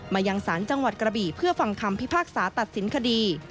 ยังสารจังหวัดกระบี่เพื่อฟังคำพิพากษาตัดสินคดี